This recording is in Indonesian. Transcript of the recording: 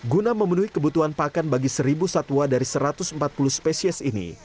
guna memenuhi kebutuhan pakan bagi seribu satwa dari satu ratus empat puluh spesies ini